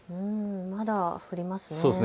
まだ降りますね。